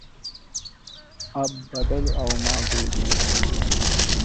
އަށް ބަދަލުއައުމާ ގުޅިގެން